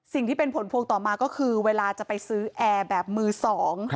สิ่งที่เป็นผลพวงต่อมาก็คือเวลาจะไปซื้อแอร์แบบมือสอง